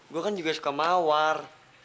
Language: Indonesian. gue kan juga suka mawar